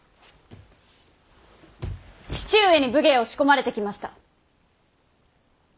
父上に武芸を仕込まれてきました。